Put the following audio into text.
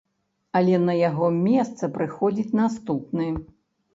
Але на яго месца прыходзіць наступны.